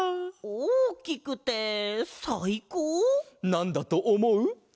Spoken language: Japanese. なんだとおもう？